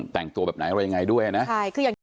แต่งตัวแบบไหนอะไรยังไงด้วยนะใช่คืออย่างที่